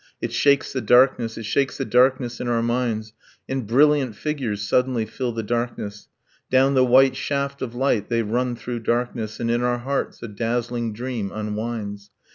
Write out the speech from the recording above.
... it shakes the darkness, It shakes the darkness in our minds. ... And brilliant figures suddenly fill the darkness, Down the white shaft of light they run through darkness, And in our hearts a dazzling dream unwinds